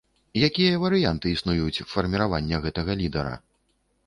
Якія варыянты існуюць фарміравання гэтага лідара?